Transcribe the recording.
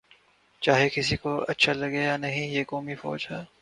چاہے کسی کو اچھا لگے یا نہیں، یہ قومی فوج ہے۔